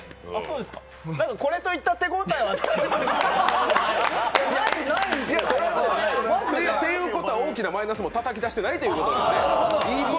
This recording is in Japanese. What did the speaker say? これといった手応えはということは大きなマイナスもたたき出していないいいことですよ。